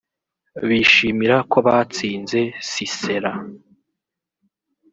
bishimira ko batsinze sisera